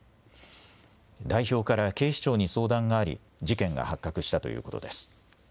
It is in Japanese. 代表から警視庁に相談があり事件が発覚したということです。